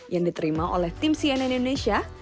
yang diterima oleh tim cnn indonesia